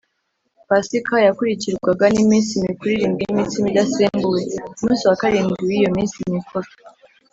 Pasika yakurikirwaga n’iminsi mikuru irindwi y’imitsima idasembuwe. Ku munsi wa kabiri w’iyo minsi mikuru,